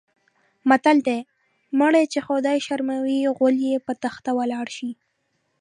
متل دی: مړی چې خدای شرموي غول یې په تخته ولاړ شي.